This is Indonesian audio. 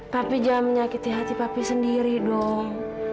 tapi jangan menyakiti hati papi sendiri dong